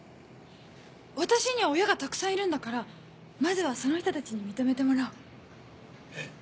私には親がたくさんいるんだからまずはその人たちに認めてもらおう。え？